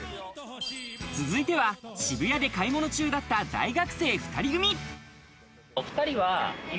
続いては渋谷で買い物中だった大学生２人組。